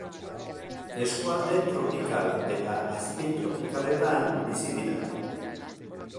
Eskualde tropikal eta azpitropikaletan bizi dira.